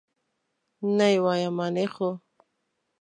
نه یې وایم، منې خو؟